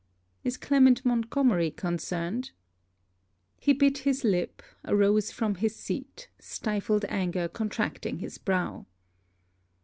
'Is Clement Montgomery concerned?' He bit his lip, arose from his seat, stifled anger contracting his brow.